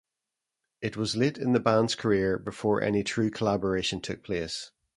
It was late in the band's career before any true collaboration took place.